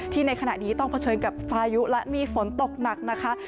ในขณะนี้ต้องเผชิญกับพายุและมีฝนตกหนักนะคะ